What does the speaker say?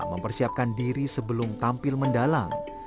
mempersiapkan diri sebelum tampil mendalang